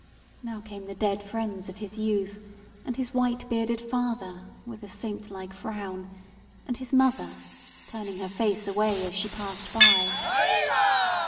Now came the dead friends of his youth, and his white bearded father, with a saint like frown, and his mother turning her face away as she passed by.